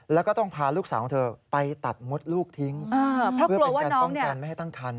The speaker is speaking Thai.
แล้วก็ต้องพาลูกสาวของเธอไปตัดมดลูกทิ้งเพื่อเป็นการป้องกันไม่ให้ตั้งคัน